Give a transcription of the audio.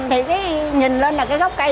nghe một cái rằm thì nhìn lên là cái gốc cây